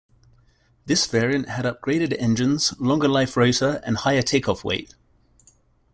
This variant had upgraded engines, longer life rotor, and higher take-off weight.